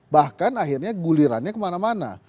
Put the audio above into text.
bahkan akhirnya gulirannya kemana mana